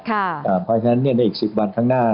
เพราะฉะนั้นในอีก๑๐วันข้างหน้า